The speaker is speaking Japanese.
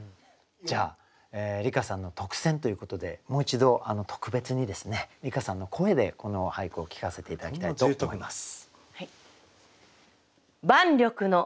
じゃあ梨香さんの特選ということでもう一度特別にですね梨香さんの声でこの俳句を聞かせて頂きたいと思います。